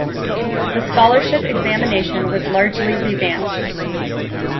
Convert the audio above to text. The Scholarship examination was largely revamped.